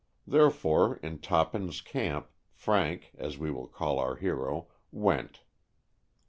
Therefore, to Tophans' camp, Frank, as we will call our hero, went.